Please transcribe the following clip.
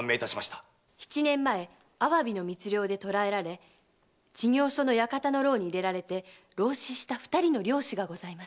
七年前アワビの密猟で捕らえられ知行所の館の牢で牢死した二人の漁師がございます。